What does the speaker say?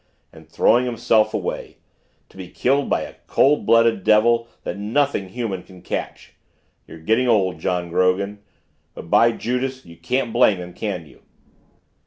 "And throwing himself away to be killed by a cold blooded devil that nothing human can catch you're getting old, John Grogan but, by Judas, you can't blame him, can you?